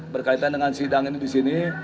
berkaitan dengan sidang ini di sini